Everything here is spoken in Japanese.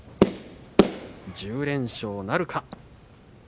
１０連勝なるか。